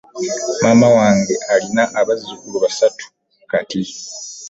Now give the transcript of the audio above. Maama wange alina abazukulu basatu kati.